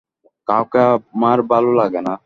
কাউকে আমার ভালো লাগে না।